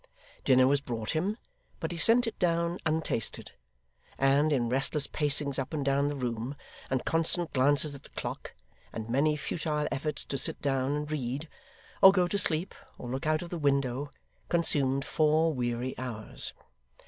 Dinner was brought him, but he sent it down untasted; and, in restless pacings up and down the room, and constant glances at the clock, and many futile efforts to sit down and read, or go to sleep, or look out of the window, consumed four weary hours.